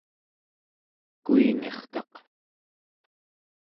kuingirkaq